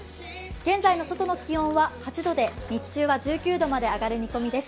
現在の外の気温は８度で日中は１９度まで上がる見込みです。